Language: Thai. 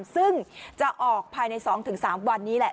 ซึ่งจะออกภายใน๒๓วันนี้แหละ